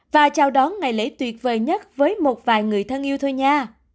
và chào đón ngày lễ tuyệt vời nhất với một vài người thân yêu thôi nha